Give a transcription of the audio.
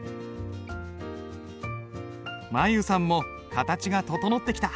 舞悠さんも形が整ってきた。